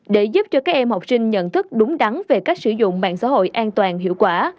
để giúp cho các em học sinh nhận thức đúng đắn về cách sử dụng mạng xã hội an toàn hiệu quả